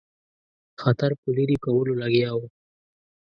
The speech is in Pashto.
خطر په لیري کولو لګیا وو.